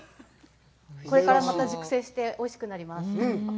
これからまた熟成しておいしくなります。